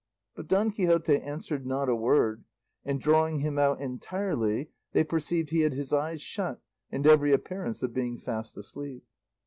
But Don Quixote answered not a word, and drawing him out entirely they perceived he had his eyes shut and every appearance of being fast asleep.